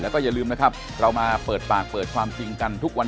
โปรดติดตามตอนต่อไป